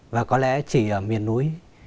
và có lẽ chỉ ở miền núi